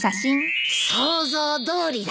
想像どおりだ。